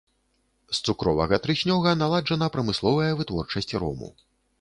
З цукровага трыснёга наладжана прамысловая вытворчасць рому.